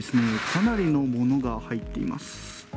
かなりの物が入っています。